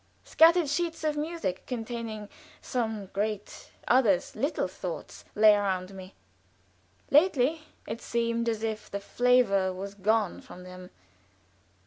Scattered sheets of music containing, some great, others little thoughts, lay around me. Lately it seemed as if the flavor was gone from them.